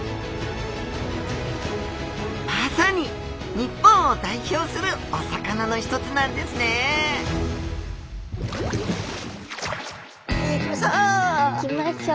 まさに日本を代表するお魚の一つなんですね行きましょう！